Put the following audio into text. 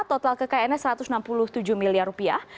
total kekayaannya satu ratus enam puluh tujuh miliar rupiah